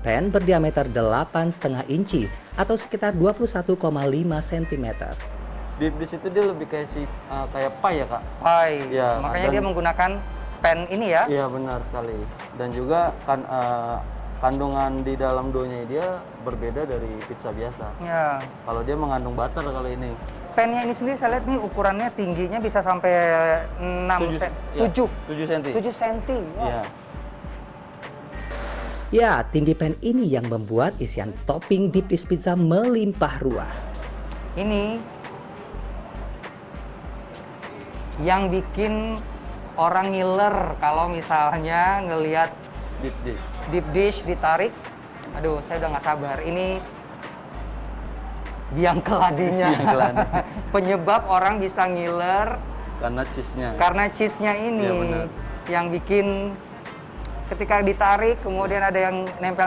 pemilik restoran telah menawarkan ukuran pizza yang tersebut tidak terlalu tebal